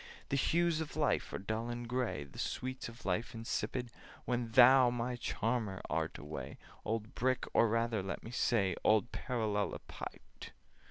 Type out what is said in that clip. The hues of life are dull and gray, The sweets of life insipid, When thou, my charmer, art away— Old Brick, or rather, let me say, Old Parallelepiped!